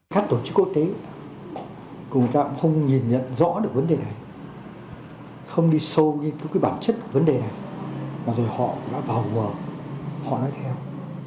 các tổ chức quốc tế cũng không nhìn nhận rõ được vấn đề này không đi sâu như bản chất vấn đề này mà rồi họ đã vào vờ họ nói theo